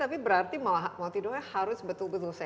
tapi berarti multidonge harus betul betul sehat